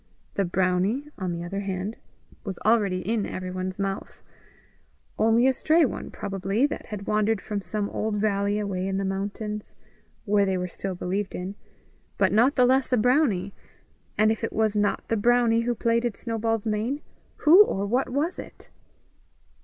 The brownie, on the other hand, was already in every one's mouth only a stray one, probably, that had wandered from some old valley away in the mountains, where they were still believed in but not the less a brownie; and if it was not the brownie who plaited Snowball's mane, who or what was it?